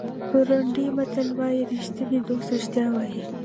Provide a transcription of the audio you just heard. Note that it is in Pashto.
بورونډي متل وایي ریښتینی دوست رښتیا وایي.